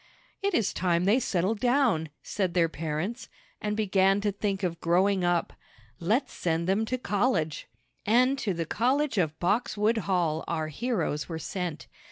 "It is time they settled down," said their parents, "and began to think of growing up. Let's send them to college!" And to the college of Boxwood Hall our heroes were sent.